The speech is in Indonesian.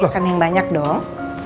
kan yang banyak dong